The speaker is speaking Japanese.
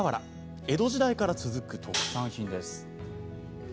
江戸時代から続く特産品です。